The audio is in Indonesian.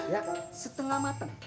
ya setengah matang